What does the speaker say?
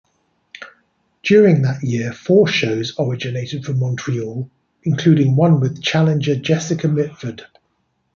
During that year four shows originated from Montreal including one with challenger Jessica Mitford.